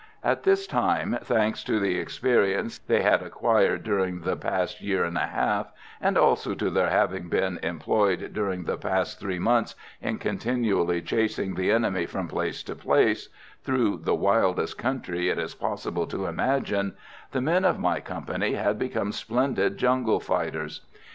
At this time, thanks to the experience they had acquired during the past year and a half, and also to their having been employed during the last three months in continually chasing the enemy from place to place, through the wildest country it is possible to imagine, the men of my company had become splendid jungle fighters.